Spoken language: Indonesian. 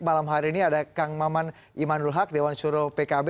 malam hari ini ada kang maman imanul haq dewan suro pkb